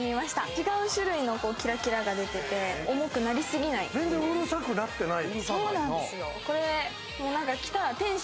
違う種類のキラキラが出ててうるさくなってない！